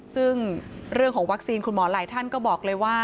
ซึ่งเรื่องของวัคซีนคุณหมอหลายท่านก็บอกเลยว่า